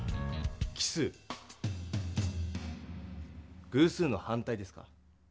奇数？偶数の反対ですか。